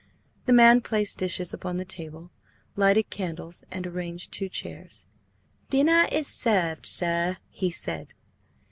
The man placed dishes upon the table, lighted candles, and arranged two chairs. "Dinner is served, sir," he said.